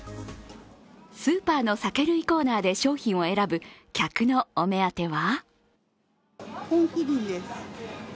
スーパーの酒類コーナーで商品を選ぶ客のお目当ては？